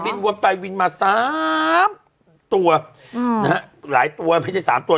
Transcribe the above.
วนไปวินมาสามตัวอืมนะฮะหลายตัวไม่ใช่สามตัว